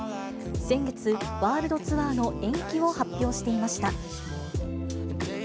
先月、ワールドツアーの延期を発表していました。